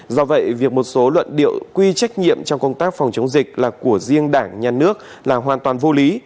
do vậy việc một số luận điệu quy trách nhiệm trong công tác phòng chống dịch là của riêng đảng nhà nước là hoàn toàn vô lý